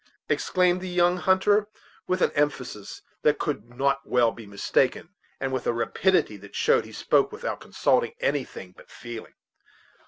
exclaimed the young hunter, with an emphasis that could not well be mistaken, and with a rapidity that showed he spoke without consulting anything but feeling.